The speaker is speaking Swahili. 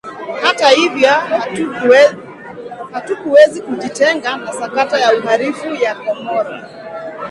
Hata hivyo hakuwezi kujitenga na sakata ya uhalifu ya Camorra